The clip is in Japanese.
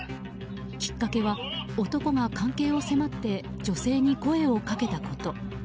きっかけは男が関係を迫って女性に声をかけたこと。